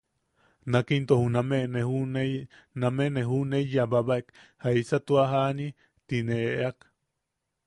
Nak into juname ne jun... name ne juʼuneiyababaek ¿jaisa tua jani? ti ne eʼeakai.